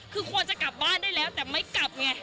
คือควรจะกลับบ้านได้แล้วแต่ไม่กลับไง